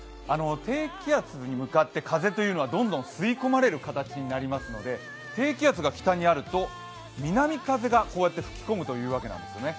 低気圧に向かって風というのはどんどん吸い込まれる感じになるので低気圧が北にあると南風がこうやって吹き込むというわけなってすね。